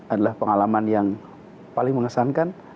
adalah pengalaman yang paling mengesankan